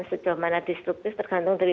sejauh mana destruktif tergantung dari